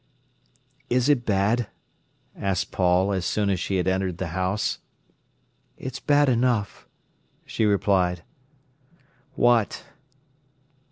"Is it bad?" asked Paul, as soon as she entered the house. "It's bad enough," she replied. "What?"